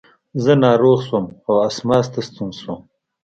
زه ناروغ شوم او اسماس ته ستون شوم.